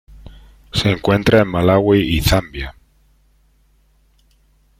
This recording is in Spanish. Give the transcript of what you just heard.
Se encuentra en Malaui y Zambia.